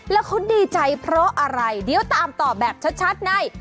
แล้วเขาดีใจเพราะอะไรเดี๋ยวตามต่อแบบชัดใน